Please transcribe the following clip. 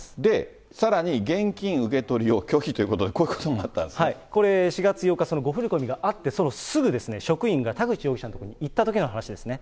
さらに現金受け取りを拒否ということで、これ４月８日、誤振り込みがあって、そのすぐ、職員が田口容疑者の家に行ったときの話ですね。